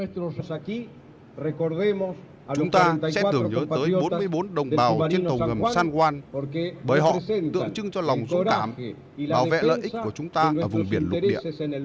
chúng ta sẽ tưởng nhớ tới bốn mươi bốn đồng bào trên tàu ngầm san juan bởi họ tượng trưng cho lòng dũng cảm bảo vệ lợi ích của chúng ta và vùng biển lục địa